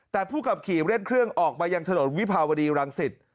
แต่ผู้ขับขี่เร่งเครื่องออกมายังถนนวิภาวดีรังสิต